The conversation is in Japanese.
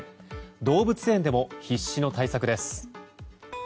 動物園でも必死の対策です。